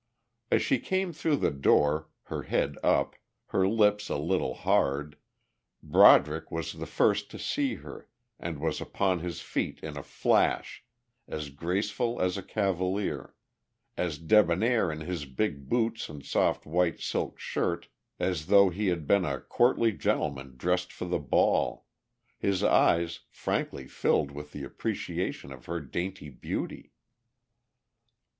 As she came through the door, her head up, her lips a little hard, Broderick was the first to see her and was upon his feet in a flash, as graceful as a cavalier, as debonair in his big boots and soft white silk shirt as though he had been a courtly gentleman dressed for the ball, his eyes frankly filled with the appreciation of her dainty beauty.